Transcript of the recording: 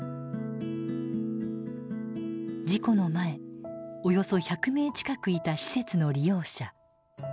事故の前およそ１００名近くいた施設の利用者。